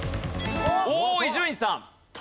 おおっ伊集院さん。